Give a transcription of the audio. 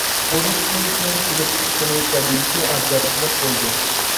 ئۇرۇشتىن كېيىن كېلىپ چىققىنى تەبىئىيكى ئاچارچىلىق بولدى.